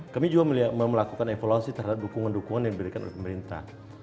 kami juga melakukan evaluasi terhadap dukungan dukungan yang diberikan oleh pemerintah